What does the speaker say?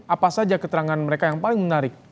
apa saja keterangan mereka yang paling menarik